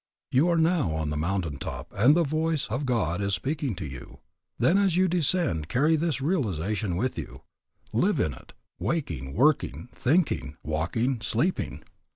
You are now on the mountain top, and the voice of God is speaking to you. Then, as you descend, carry this realization with you. Live in it, waking, working, thinking, walking, sleeping.